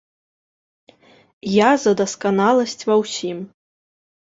Я за дасканаласць ва ўсім.